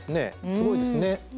すごいですね。